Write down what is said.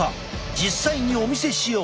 実際にお見せしよう！